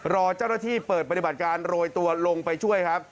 รอเจ้าหน้าที่เปิดปฏิบัติการโรยตัวลงไปช่วยครับ